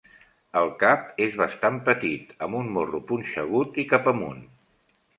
El cap és bastant petit, amb un morro punxegut i cap amunt.